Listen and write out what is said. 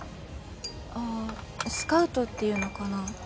ああスカウトっていうのかな？